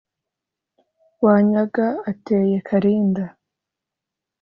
wanyaga ateye karinda